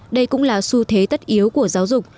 đây cũng là xu thế tất yếu của giáo dục